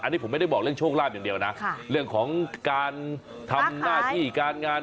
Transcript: อันนี้ผมไม่ได้บอกเรื่องโชคลาภอย่างเดียวนะเรื่องของการทำหน้าที่การงาน